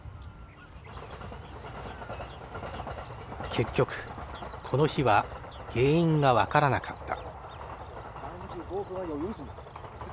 結局この日は原因が分からなかった。